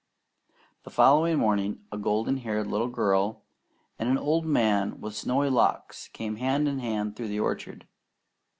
The following morning, a golden haired little girl and an old man with snowy locks came hand in hand through the orchard.